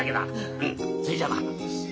うん。それじゃあな。